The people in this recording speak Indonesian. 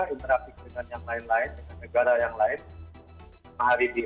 interaksi dengan yang lain lain negara yang lain hari ini